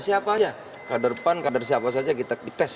siapa aja kader pan kader siapa saja kita dites